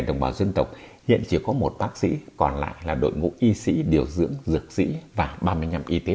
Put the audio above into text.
đồng bào dân tộc hiện chỉ có một bác sĩ còn lại là đội ngũ y sĩ điều dưỡng dược sĩ và ba mươi năm y tế